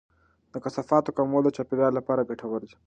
د کثافاتو کمول د چاپیریال لپاره ګټور دی.